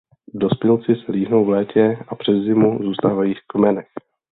Dospělci se líhnou v létě a přes zimu zůstávají v kmenech.